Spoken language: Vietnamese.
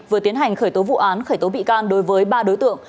vừa tiến hành khởi tố vụ án khởi tố bị can đối với ba đối tượng